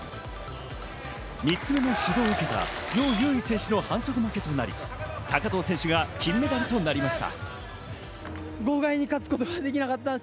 ３つ目の指導を受けたヨウ・ユウイ選手の反則負けとなり、高藤選手が金メダルとなりました。